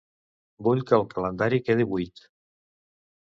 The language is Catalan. Vull que el calendari quedi buit.